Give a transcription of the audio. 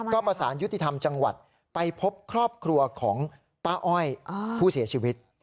ก็ประสานยุติธรรมจังหวัดไปพบครอบครัวของป้าอ้อยผู้เสียชีวิต